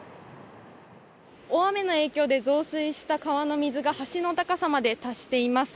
大雨の影響で増水した川の水が橋の高さまで達しています。